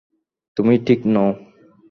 তুমি ঠিক নও।